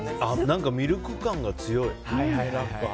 何かミルク感が強い。